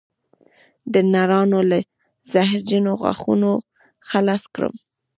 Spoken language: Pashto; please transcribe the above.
د نرانو له زهرجنو غاښونو خلاص کړم